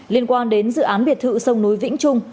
liên quan đến dự án biệt thự sông núi vĩnh trung